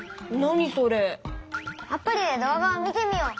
アプリで動画を見てみよう。